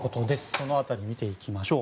その辺り、見ていきましょう。